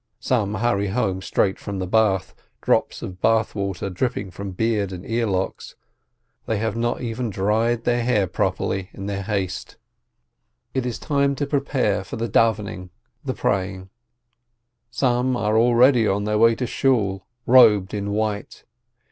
Some hurry home straight from the bath, drops of bath water dripping from beard and earlocks. They have not even dried their hair properly in their haste. 13 190 ROSENTHAL It is time to prepare for the davvening. Some are already on their way to Shool, robed in white.